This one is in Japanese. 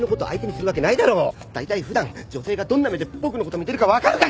だいたい普段女性がどんな目で僕のこと見てるか分かるか？